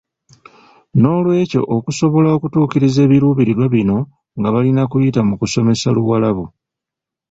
N'olwekyo okusobola okutuukiriza ebiruubirirwa bino nga balina kuyita mu kusomesa Luwarabu.